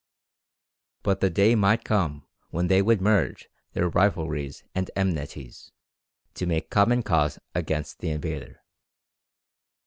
But the day might come when they would merge their rivalries and enmities, to make common cause against the invader.